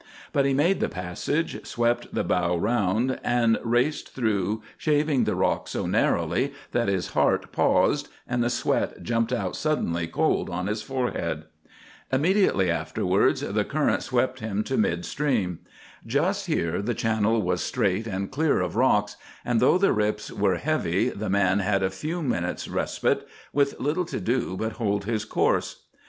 But he made the passage, swept the bow around, and raced through, shaving the rock so narrowly that his heart paused and the sweat jumped out suddenly cold on his forehead. Immediately afterwards the current swept him to mid stream. Just here the channel was straight and clear of rocks, and though the rips were heavy the man had a few minutes' respite, with little to do but hold his course.